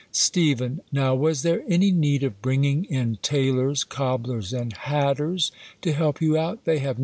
Steph, Now, was there any need of bringing in tai lors, cobblers, and hatters, to help you out / They have